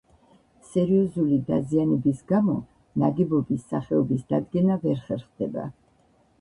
სერიოზული დაზიანების გამო ნაგებობის სახეობის დადგენა ვერ ხერხდება.